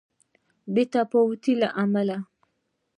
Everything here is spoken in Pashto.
بې اتفاقۍ له امله.